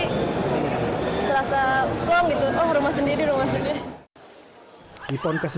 selasa firm gitu oh rumah sendiri rumah sendiri